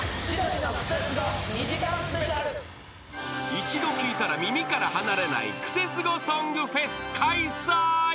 ［一度聴いたら耳から離れないクセスゴソングフェス開催］